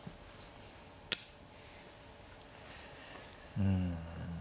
うん。